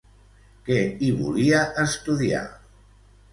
Què hi volia estudiar?